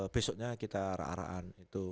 besoknya kita arah araan